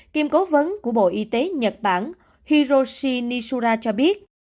kiêm cố vấn của bộ y tế nhật bản hiroshi nisura cho biết